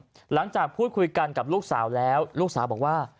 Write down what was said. หลังจากพูดคุยกันกับลูกสาวแล้วลูกสาวบอกว่า